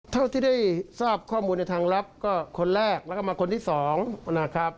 เท่าที่ได้ทราบข้อมูลในทางลับก็คนแรกแล้วก็มาคนที่สองนะครับ